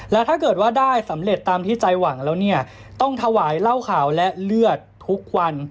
แล้วถ้าเกิดว่าได้สำเร็จตามที่ใจหวังแล้วเนี่ยต้องถวายเหล้าขาวและเลือดทุกวัน